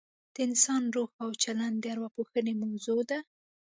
د انسان روان او چلن د اوراپوهنې موضوع ده